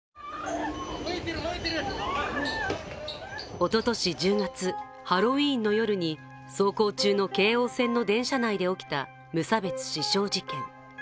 おととし１０月、ハロウィーンの夜に走行中の京王線の電車内で起きた無差別刺傷事件。